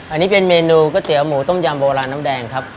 อันนี้เป็นเมนูก๋วยเตี๋ยวหมูต้มยำโบราณน้ำแดงครับ